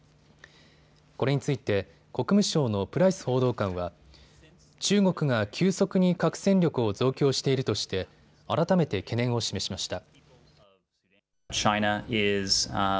これについて国務省のプライス報道官は中国が急速に核戦力を増強しているとして改めて懸念を示しました。